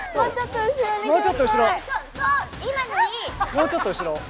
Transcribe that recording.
もうちょっと後ろ。